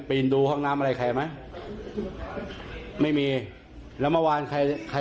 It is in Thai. ไม่รู้จักชื่อก็เข้ามาซัดเลย